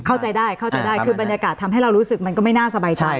เข้าใจได้เข้าใจได้คือบรรยากาศทำให้เรารู้สึกมันก็ไม่น่าสบายใจ